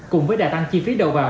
cùng với đà tăng chi phí đầu vào